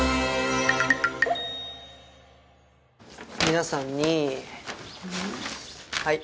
皆さんにはい。